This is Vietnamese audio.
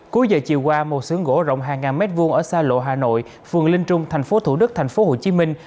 cuối giờ chiều qua một sườn gỗ rộng hàng ngàn mét vuông ở xa lộ hà nội phường linh trung thành phố thủ đức thành phố hồ chí minh